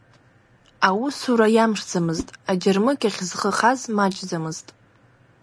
Аусура иамшӡамызт, аџьырмыкьахь зхы хаз маҷӡамызт.